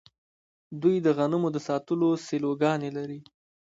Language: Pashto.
دوی د غنمو د ساتلو سیلوګانې لري.